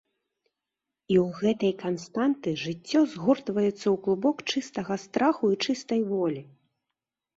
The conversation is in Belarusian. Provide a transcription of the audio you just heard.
І ў гэтай канстанты жыццё згортваецца ў клубок чыстага страху і чыстай волі.